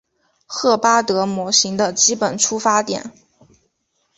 赫巴德模型的基本出发点。